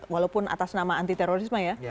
walaupun atas nama anti terorisme ya